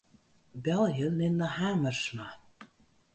Belje Linda Hamersma.